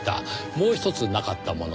もうひとつなかったもの